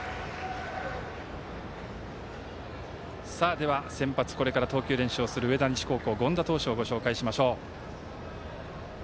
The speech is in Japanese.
では、先発これから投球練習をする上田西の権田投手をご紹介します。